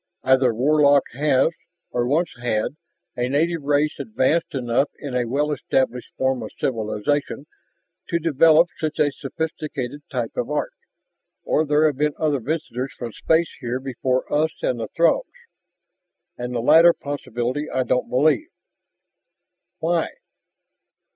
"Either Warlock has or once had a native race advanced enough in a well established form of civilization to develop such a sophisticated type of art, or there have been other visitors from space here before us and the Throgs. And the latter possibility I don't believe " "Why?"